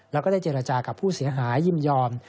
แล้วก็ได้เจรจากับผู้เสียหายยินยอม